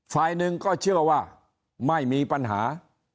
ฝ่ายหนึ่งก็เชื่อว่าไม่มีปัญหา